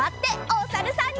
おさるさん。